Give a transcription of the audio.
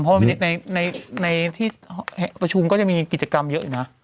บอสในประชุมก็จะมีกิจกรรมเยอะอยู่นะ